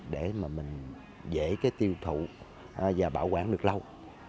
để mà mình dễ cái tiêu thụ và bảo quản được lâu